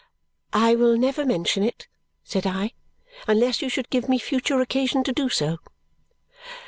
"I will never mention it," said I, "unless you should give me future occasion to do so."